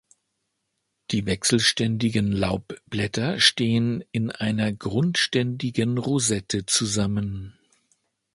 Die wechselständigen Laubblätter stehen in einer grundständigen Rosette zusammen.